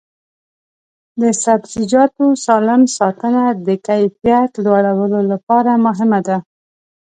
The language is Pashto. د سبزیجاتو سالم ساتنه د کیفیت لوړولو لپاره مهمه ده.